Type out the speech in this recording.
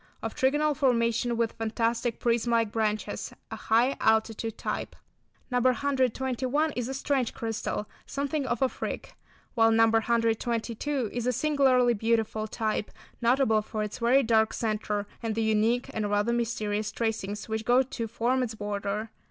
Of trigonal formation with fantastic prism like branches; a high altitude type. No. 121 is a strange crystal, something of a "freak," while No. 122 is a singularly beautiful type, notable for its very dark centre, and the unique and rather mysterious tracings which go to form its border.